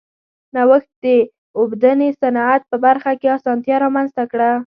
نوښت د اوبدنې صنعت په برخه کې اسانتیا رامنځته کړه.